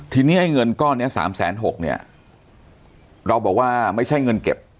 ทีนี้ไอ้เงินก้อนนี้๓๖๐๐เนี่ยเราบอกว่าไม่ใช่เงินเก็บ